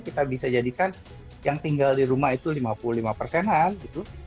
kita bisa jadikan yang tinggal di rumah itu lima puluh lima persenan gitu